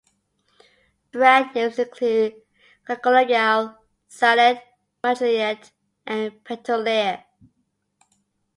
Brand names include Cyclogyl, Cylate, Mydrilate, and Pentolair.